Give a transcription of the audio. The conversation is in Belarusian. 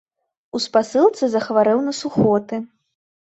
У спасылцы захварэў на сухоты.